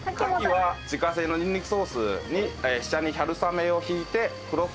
牡蠣は自家製のニンニクソースに下に春雨を敷いて。